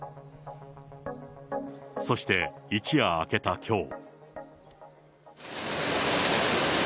そして、一夜明けたきょう。